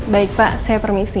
baik pak saya permisi